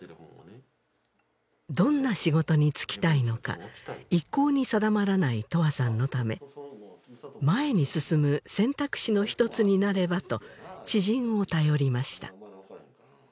どんな仕事に就きたいのか一向に定まらない永遠さんのため前に進む選択肢の一つになればと知人を頼りました